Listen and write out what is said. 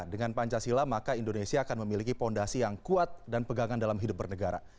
dengan pancasila maka indonesia akan memiliki fondasi yang kuat dan pegangan dalam hidup bernegara